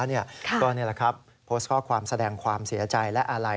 ก็นี่แหละครับโพสต์ข้อความแสดงความเสียใจและอาลัย